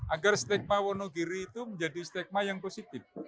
agar stigma wonogiri itu menjadi stigma yang positif